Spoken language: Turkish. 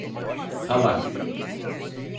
Salak!